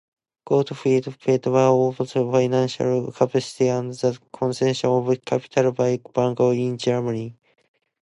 Gottfried Feder opposed financial capitalism and the concentration of capital by bankers in Germany.